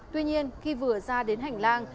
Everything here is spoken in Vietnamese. tuy nhiên khi vừa ra đến hành lang